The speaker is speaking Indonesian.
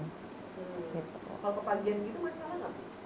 kalau ke pagian gitu masih enggak masak